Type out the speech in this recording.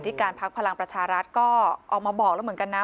การพักพลังประชารัฐก็ออกมาบอกแล้วเหมือนกันนะ